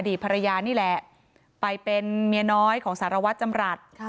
ภรรยานี่แหละไปเป็นเมียน้อยของสารวัตรจำรัฐ